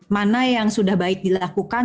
mana yang sudah baik dilakukan